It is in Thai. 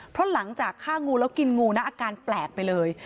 เพราะหลังจากฆ่างูแล้วกินงูนะอาการแปลกไปเลย